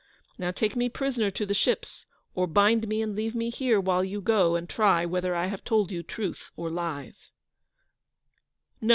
Now take me prisoner to the ships, or bind me and leave me here while you go and try whether I have told you truth or lies."